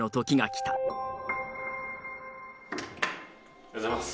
おはようございます。